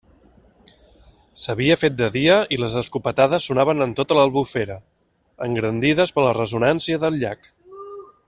S'havia fet de dia i les escopetades sonaven en tota l'Albufera, engrandides per la ressonància del llac.